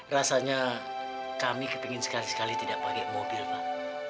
rasanya kami kepingin sekali sekali tidak pakai mobil pak